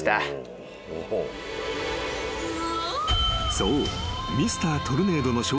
［そう］